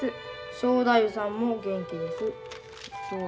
「正太夫さんも元気です」。